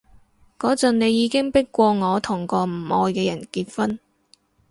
嗰陣你已經迫過我同個唔愛嘅人結婚